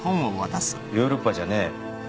ヨーロッパじゃね